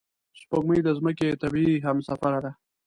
سپوږمۍ د ځمکې طبیعي همسفره ده